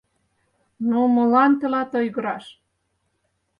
Ну, молан тылат ойгыраш?